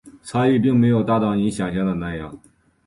差异并没有大到你想像的那样